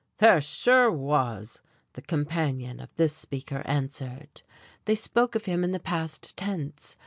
"There sure was," the companion of this speaker answered. They spoke of him in the past tense.